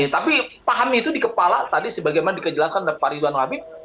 tapi pahami itu di kepala tadi sebagaimana dikejelaskan oleh pak ridwan habib